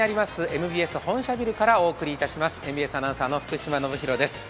ＭＢＳアナウンサーの福島暢啓です。